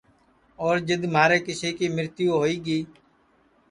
اور جِدؔ مہارے کیسی کی مرتیو ہوئی گی